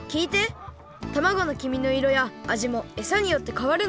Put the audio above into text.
たまごのきみの色やあじもえさによってかわるんだ。